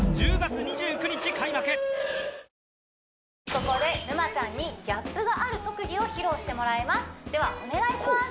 ここで沼ちゃんにギャップがある特技を披露してもらいますではお願いします